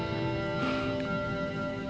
aku rasain lagi sekarang sama elsa